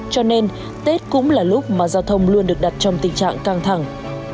cho nên tết cũng là lúc mà giao thông luôn được đặt trong tình trạng căng thẳng